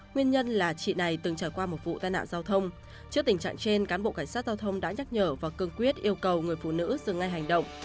nguyên nhân là chị này từng trải qua một vụ tai nạn giao thông trước tình trạng trên cán bộ cảnh sát giao thông đã nhắc nhở và cương quyết yêu cầu người phụ nữ dừng ngay hành động